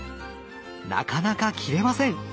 なかなか切れません。